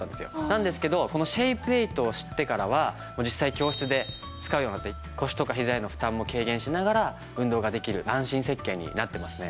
なんですけどこのシェイプエイトを知ってからは実際教室で使うようになって腰とかひざへの負担も軽減しながら運動ができる安心設計になってますね。